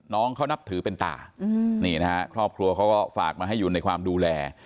น้องเขานับถือเป็นตานี่นะฮะครอบครัวเขาก็ฝากมาให้อยู่ในความดูแล